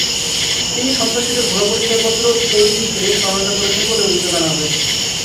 তিনি সন্ত্রাসীদের ভুয়া পরিচয়পত্র তৈরিতে সহায়তা করেছেন বলে অভিযোগ আনা হয়েছে।